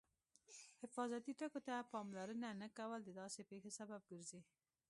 حفاظتي ټکو ته پاملرنه نه کول د داسې پېښو سبب ګرځي.